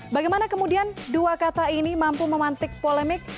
bagaimana kemudian dua kata ini mampu memantik polemik